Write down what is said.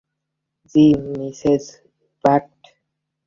জ্বি, Mrs Bagot?